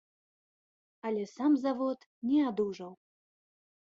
Але сам завод не адужаў.